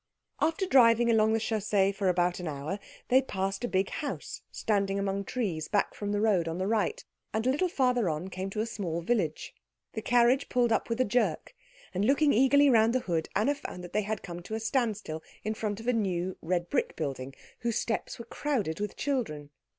After driving along the chaussée for about an hour, they passed a big house standing among trees back from the road on the right, and a little farther on came to a small village. The carriage, pulled up with a jerk, and looking eagerly round the hood Anna found they had come to a standstill in front of a new red brick building, whose steps were crowded with children.